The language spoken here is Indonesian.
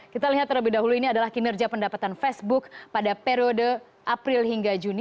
kita lihat terlebih dahulu ini adalah kinerja pendapatan facebook pada periode april hingga juni